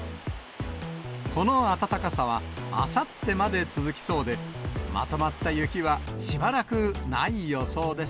この暖かさは、あさってまで続きそうで、まとまった雪はしばらくない予想です。